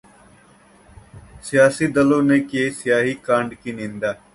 सियासी दलों ने की स्याही कांड' की निंदा